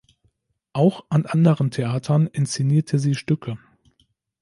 Auch an anderen Theatern inszenierte sie Stücke.